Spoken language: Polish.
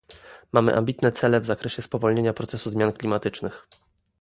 Mamy ambitne cele w zakresie spowolnienia procesu zmian klimatycznych